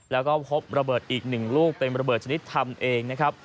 แล้วก็พบระเบิดอีก๑ลูกเป็นระเบิดชนิดทำเองนะครับ